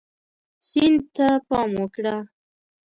سیند ته پام وکړه.